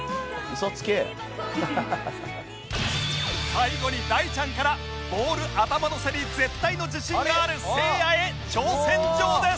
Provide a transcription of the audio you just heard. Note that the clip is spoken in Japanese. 最後に大ちゃんからボール頭のせに絶対の自信があるせいやへ挑戦状です！